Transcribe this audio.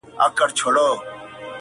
په کور کلي کي اوس ګډه واویلا وه.!